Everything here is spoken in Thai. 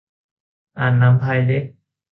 อาจนำภัยเล็ก